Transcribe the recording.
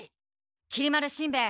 きり丸しんべヱ。